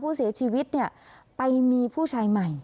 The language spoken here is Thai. ผู้เสียชีวิตเนี่ยไปมีผู้ชายใหม่